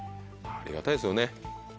ありがたいですよね